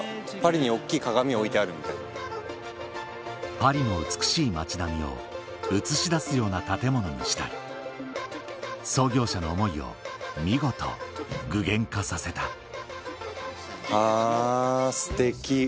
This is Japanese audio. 「パリの美しい街並みを映し出すような建物にしたい」創業者の思いを見事具現化させたあステキ。